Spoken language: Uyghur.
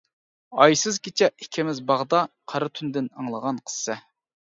ئايسىز كېچە ئىككىمىز باغدا، قارا تۈندىن ئاڭلىغان قىسسە.